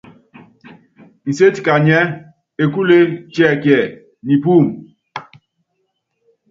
Nséti kanyiɛ́: Ekúlee tiɛkiɛ, Nipúumu ?